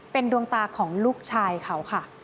เป็นดวงตาของลูกชายเขาค่ะ